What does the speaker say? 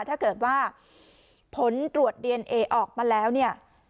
ถ้าเกิดว่าผลตรวจดีเอนเอออกมาแล้วเนี่ย